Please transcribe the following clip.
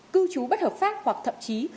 cư trú bất hợp pháp hoặc thậm chí